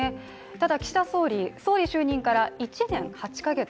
ただ岸田総理、総理就任から１年８か月。